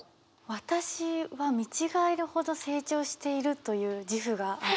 私は見違えるほど成長しているという自負がある。